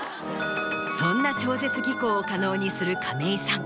そんな超絶技巧を可能にする亀井さん。